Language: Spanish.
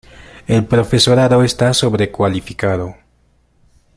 El profesorado está sobrecualificado.